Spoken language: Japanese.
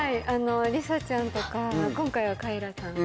りさちゃんとか今回はかいらさん。